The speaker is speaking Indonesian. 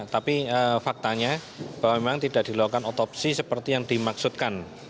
tapi faktanya bahwa memang tidak dilakukan otopsi seperti yang dimaksudkan